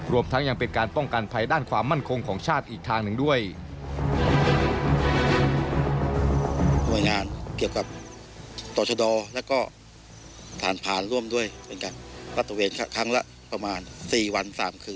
รวมทั้งยังเป็นการป้องกันภัยด้านความมั่นคงของชาติอีกทางหนึ่งด้วย